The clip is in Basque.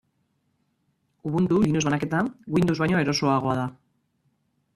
Ubuntu, Linux banaketa, Windows baino erosoagoa da.